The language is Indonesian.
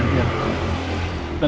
iya pak gantian